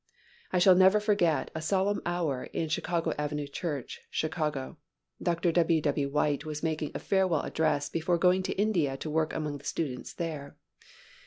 I shall never forget a solemn hour in Chicago Avenue Church, Chicago. Dr. W. W. White was making a farewell address before going to India to work among the students there.